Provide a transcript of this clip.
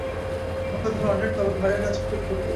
বোকা ধরনের তবে ঘরের কাজে খুব পটু।